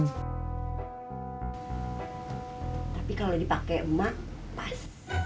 tapi kalau dipake mak pas